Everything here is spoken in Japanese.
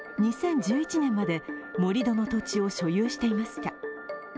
２０１１年まで、盛り土の土地を所有していました。